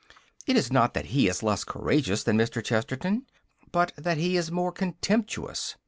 It is not that he is less courageous than Mr. Chesterton, but that he is more contemptuous.